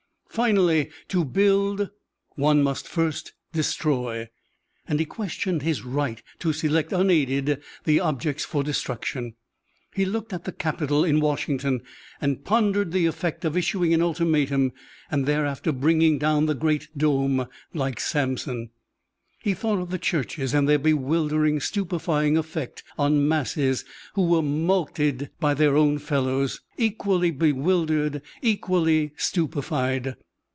Finally, to build, one must first destroy, and he questioned his right to select unaided the objects for destruction. He looked at the Capitol in Washington and pondered the effect of issuing an ultimatum and thereafter bringing down the great dome like Samson. He thought of the churches and their bewildering, stupefying effect on masses who were mulcted by their own fellows, equally bewildered, equally stupefied.